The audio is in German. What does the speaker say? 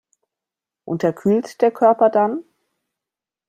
Unterkühlt der Körper dann?